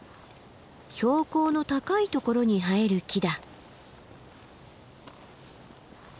標高の高いところに生える木だ。